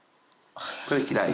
これ嫌い？